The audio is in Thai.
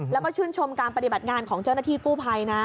แล้วก็ชื่นชมการปฏิบัติงานของเจ้าหน้าที่กู้ภัยนะ